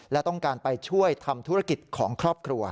และต้องการไปช่วยทำธุรกิจของครอบครัว